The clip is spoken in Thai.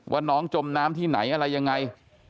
ว่าน้องจมน้ำที่ไหนอะไรยังไง